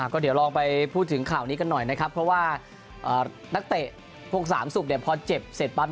ก็เดี๋ยวลองไปพูดถึงข่าวนี้กันหน่อยนะครับเพราะว่านักเตะพวกสามศุกร์เนี่ยพอเจ็บเสร็จปั๊บ